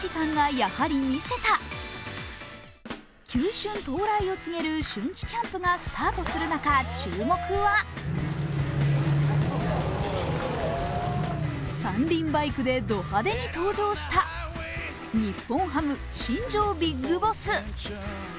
球春到来を告げる春季キャンプがスタートする中、注目は三輪バイクでド派手に登場した日本ハム新庄ビッグボス。